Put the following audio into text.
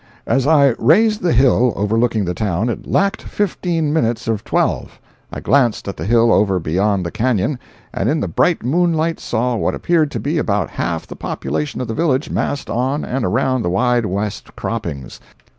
As I "raised the hill" overlooking the town, it lacked fifteen minutes of twelve. I glanced at the hill over beyond the canyon, and in the bright moonlight saw what appeared to be about half the population of the village massed on and around the Wide West croppings.